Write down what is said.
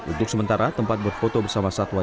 untuk sementara tempat berfoto bersama satwa